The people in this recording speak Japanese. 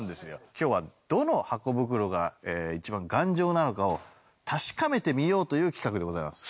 今日はどのハコ袋が一番頑丈なのかを確かめてみようという企画でございます。